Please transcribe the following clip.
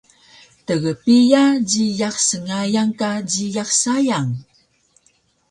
Tgpiya jiyax sngayan ka jiyax sayang?